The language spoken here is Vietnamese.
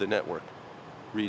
phong trào khác